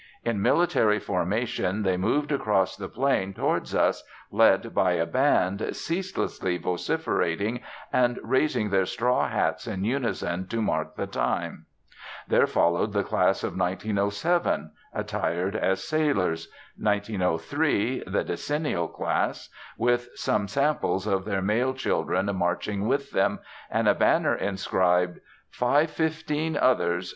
In military formation they moved across the plain towards us, led by a band, ceaselessly vociferating, and raising their straw hats in unison to mark the time. There followed the class of 1907, attired as sailors; 1903, the decennial class, with some samples of their male children marching with them, and a banner inscribed "515 Others.